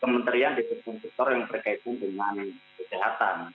kementerian di sektor sektor yang berkaitan dengan kesehatan